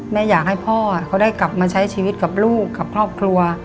แม่อยากให้พอกลับใช้ชีวิตกับลูกกับครอบครัว